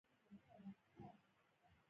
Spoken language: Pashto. • خندا د ژوند شمع ده.